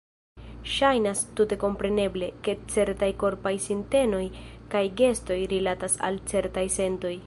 Ŝajnas tute kompreneble, ke certaj korpaj sintenoj kaj gestoj "rilatas" al certaj sentoj.